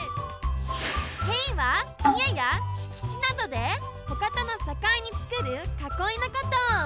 塀はいえやしきちなどでほかとのさかいにつくるかこいのこと。